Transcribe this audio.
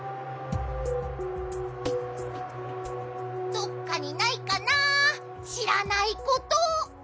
どっかにないかなしらないこと。